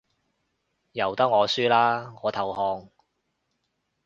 由得我輸啦，我投降